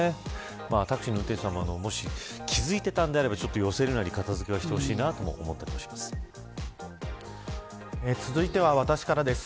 タクシーの運転手さんももし気付いていたのであれば寄せるなり、片付けはしてほしい続いては、私からです。